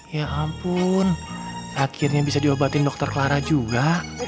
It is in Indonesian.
ya ampun akhirnya bisa diobatin dr clara juga